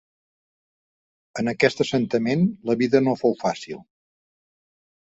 En aquest assentament la vida no fou fàcil.